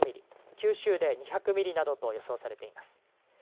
九州で２００ミリなどと予想されています。